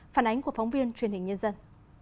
phản ánh của phóng viên truyền hình nhân dân